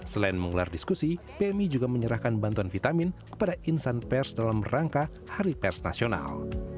selain menggelar diskusi pmi juga menyerahkan bantuan vitamin kepada insan pers dalam rangka hari pers nasional